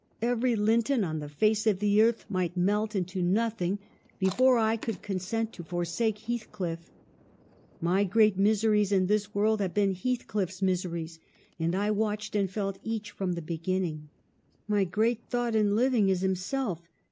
Every Linton on the face of the earth might melt into nothing, before I could consent to forsake Heathcliff. ... My great miseries in this world have been Heath cliff's miseries, and I watched and felt each from the beginning. My great thought in living is himself.